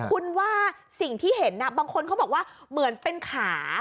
คุณว่าสิ่งที่เห็นบางคนเขาบอกว่าเหมือนเป็นขา